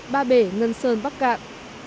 ba bể ngân sơn bắc cạn